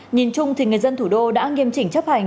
nhìn chung thì người dân thủ đô đã nghiêm chỉnh chấp hành